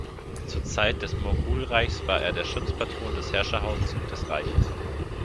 Zur Zeit des Mogulreiches war er der Schutzpatron des Herrscherhauses und des Reiches.